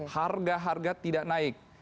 harga harga tidak naik